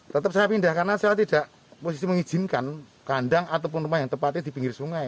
tetap saya pindah karena saya tidak posisi mengizinkan kandang ataupun rumah yang tepatnya di pinggir sungai